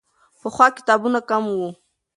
پخوا کتابونه کم وو.